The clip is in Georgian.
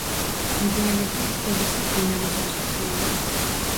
მოგვიანებით თბილისის „დინამოს“ მწვრთნელი.